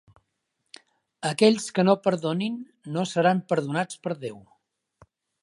Aquells que no perdonin no seran perdonats per Déu.